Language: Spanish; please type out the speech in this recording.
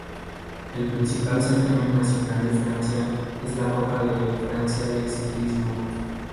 El principal certamen nacional de Francia es la Copa de Francia de Ciclismo.